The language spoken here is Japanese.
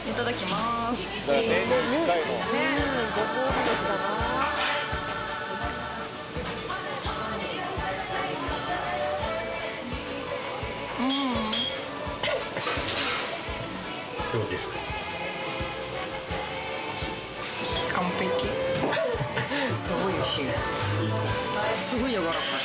すごい柔らかい。